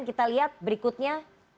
kita lihat berikutnya